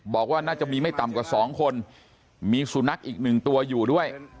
บอกว่าน่าจะมีไม่ต่ำกว่า๒คนมีสุนัขอีกหนึ่งตัวอยู่ด้วย